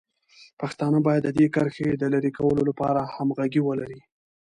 پښتانه باید د دې کرښې د لرې کولو لپاره همغږي ولري.